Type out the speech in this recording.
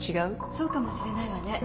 そうかもしれないわね。